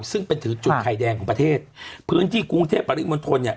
ซึ่งเป็นถือจุดไข่แดงของประเทศพื้นที่กรุงเทพปริมณฑลเนี่ย